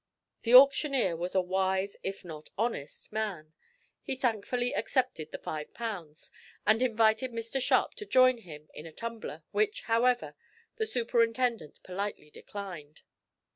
The auctioneer was a wise, if not an honest, man. He thankfully accepted the five pounds, and invited Mr Sharp to join him in a tumbler, which, however, the superintendent politely declined.